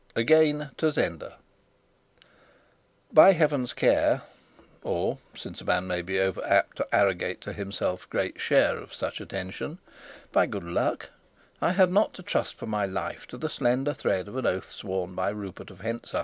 AGAIN TO ZENDA By Heaven's care, or since a man may be over apt to arrogate to himself great share of such attention by good luck, I had not to trust for my life to the slender thread of an oath sworn by Rupert of Hentzau.